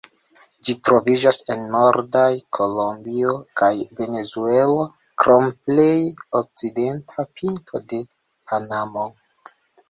Ĝi troviĝas en nordaj Kolombio kaj Venezuelo, krom plej okcidenta pinto de Panamo.